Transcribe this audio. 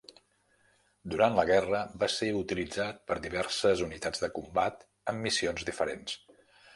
Durant la guerra va ser utilitzat per diverses unitats de combat amb missions diferents.